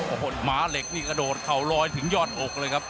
โอ้โหหมาเหล็กนี่กระโดดเข่าลอยถึงยอดอกเลยครับ